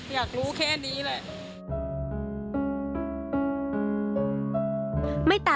สายทลงแบบเก็บ